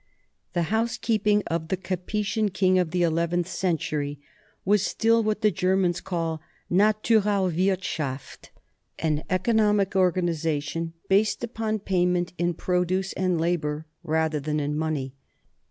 The house keeping of the Capetian king of the eleventh century was still what the Germans call a Naturalwirthschaft, an 70 NORMANS IN EUROPEAN HISTORY economic organization based upon payment in produce and labor rather than in money.